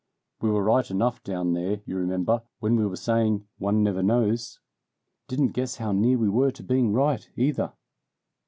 "We were right enough down there, you remember, when we were saying 'One never knows.' Didn't guess how near we were to being right, either."